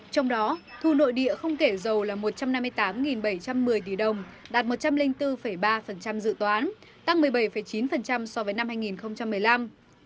trong đó thu nội địa không kể dầu là một trăm năm mươi tám bảy trăm một mươi tỷ đồng đạt một trăm linh bốn ba dự toán tăng một mươi bảy chín so với năm hai nghìn một mươi năm